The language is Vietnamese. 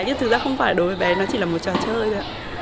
chứ thực ra không phải đối với bé nó chỉ là một trò chơi thôi ạ